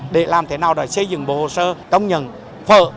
để làm thế nào để xây dựng bộ hồ sơ công nhận phở